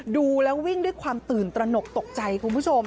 ดูแล้ววิ่งด้วยความตื่นตระหนกตกใจคุณผู้ชม